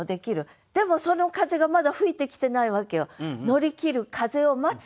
でもその風がまだ吹いてきてないわけよ。